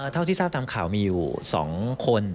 เท่าที่ทราบตามข่าวมีอยู่๒คน